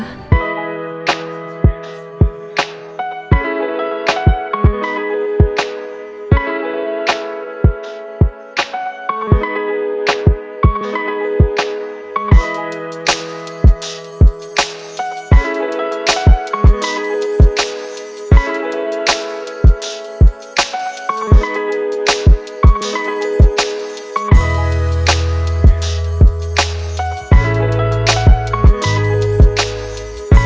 terima kasih ya allah